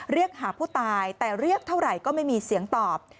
เรียกหาผู้ตายแต่เรียกเท่าไหร่ก็ไม่มีเสียงตอบ